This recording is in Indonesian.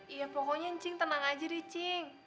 iya pokoknya ncing tenang aja nih cing